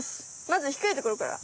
まずひくいところから。